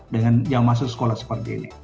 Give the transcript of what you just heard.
dengan yang masuk sekolah seperti ini